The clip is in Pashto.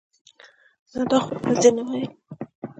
نو دا خو يې هسې نه وييل -